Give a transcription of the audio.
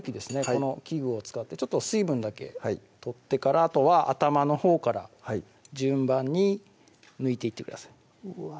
この器具を使ってちょっと水分だけ取ってからあとは頭のほうから順番に抜いていってくださいうわ